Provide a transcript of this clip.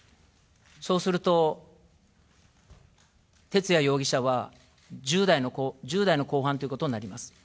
そうすると、徹也容疑者は１０代の後半ということになります。